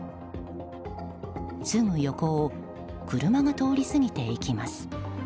すぐ横を車が通り過ぎていきます。